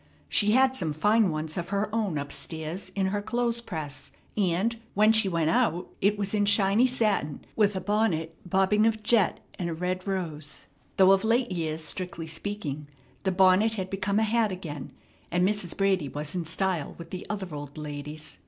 She had some fine ones of her own up stairs in her clothes press; and, when she went out, it was in shiny satin, with a bonnet bobbing with jet and a red rose, though of late years, strictly speaking, the bonnet had become a hat again, and Mrs. Brady was in style with the other old ladies.